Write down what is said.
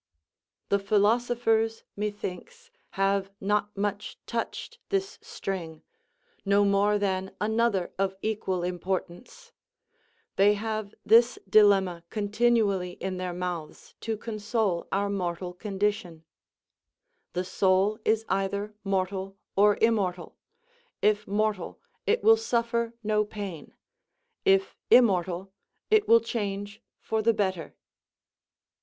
The philosophers, methinks, have not much touched this string, no more than another of equal importance; they have this dilemma continually in their mouths, to console our mortal condition: "The soul is either mortal or immortal; if mortal, it will suffer no pain; if immortal, it will change for the better."